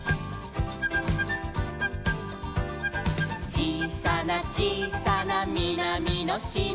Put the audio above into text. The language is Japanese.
「ちいさなちいさなみなみのしまに」